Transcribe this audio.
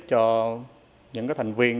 cho những thành viên